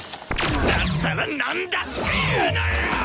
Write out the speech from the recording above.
だったらなんだっていうのよ！